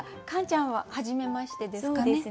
カンちゃんははじめましてですかね？